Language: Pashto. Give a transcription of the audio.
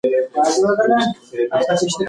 هغه په جګړه کې د زنبورک توپونو څخه ډېره ګټه اخیستله.